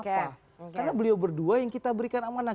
karena beliau berdua yang kita berikan amanah